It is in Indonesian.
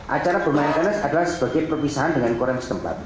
acara bermain tenis adalah sebagai perpisahan dengan korem setempat